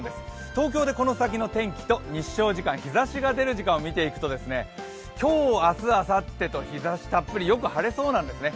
東京でこの先の天気と日照時間、日ざしが出る時間を見ていくと、今日、明日、あさってとよく晴れそうなんですね。